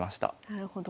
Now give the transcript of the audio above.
なるほど。